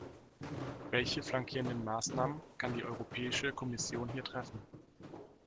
Welche flankierenden Maßnahmen kann die Europäische Kommission hier treffen?